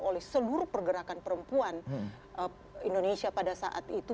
oleh seluruh pergerakan perempuan indonesia pada saat itu